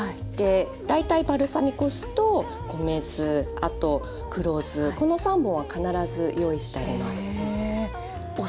大体バルサミコ酢と米酢あと黒酢この３本は必ず用意してあります。